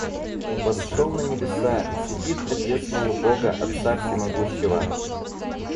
восшёл на небеса, сидит одесную Бога Отца всемогущего